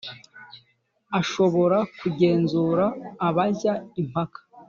ashobora kugenzura abajya impaka